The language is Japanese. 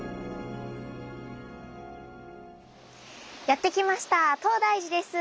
やって来ました東大寺です！